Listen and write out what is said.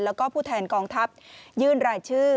แล้วก็ผู้แทนกองทัพยื่นรายชื่อ